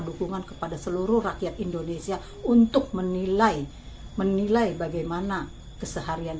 dukungan kepada seluruh rakyat indonesia untuk menilai menilai bagaimana keseharian